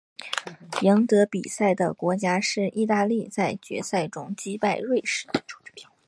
赢得比赛的国家是意大利在决赛中击败瑞士。